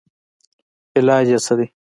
علاج ئې څۀ دے